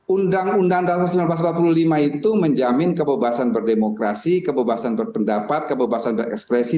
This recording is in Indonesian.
undang undang dasar seribu sembilan ratus empat puluh lima itu menjamin kebebasan berdemokrasi kebebasan berpendapat kebebasan berekspresi